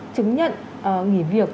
chứng nhận nghỉ việc